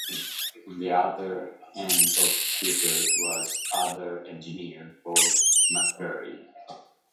On the other end of the tether was another engineer, Bob McGreary.